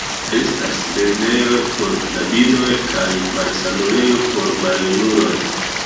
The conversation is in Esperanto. Estas lernejoj por knaboj kaj malsanulejo por maljunuloj.